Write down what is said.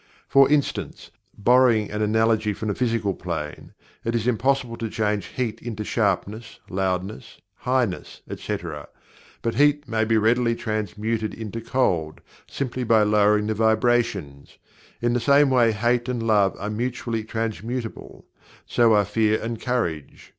For instance, borrowing an analogy from the Physical Plane, it is impossible to change Heat into Sharpness, Loudness, Highness, etc., but Heat may readily be transmuted into Cold, simply by lowering the vibrations. In the same way Hate and Love are mutually transmutable; so are Fear and Courage.